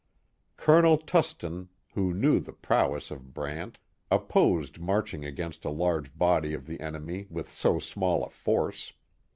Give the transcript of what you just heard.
Colonel Tusten, who knew the prowess of Brant, opposed marching against a large body of the enemy with so small a force.